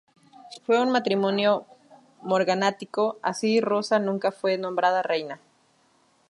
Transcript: Fue un matrimonio morganático, así Rosa nunca fue nombrada reina.